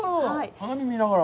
花を見ながら。